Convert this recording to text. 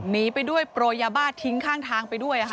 หนีไปด้วยโปรยยาบ้าทิ้งข้างทางไปด้วย